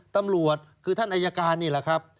ตำรวจคือท่านอายการนี่แหละครับ